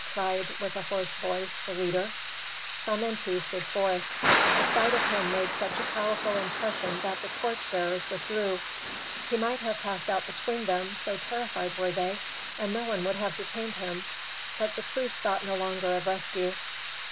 cried, with a hoarse voice, the leader. Samentu stood forth. The sight of him made such a powerful impression that the torch bearers withdrew. He might have passed out between them, so terrified were they, and no one would have detained him; but the priest thought no longer of rescue.